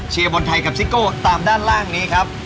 เชียร์บรรไทยกับซิกโก้ตามด้านล่างนี้ครับ